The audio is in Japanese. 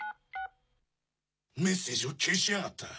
メッセージを消しやがった。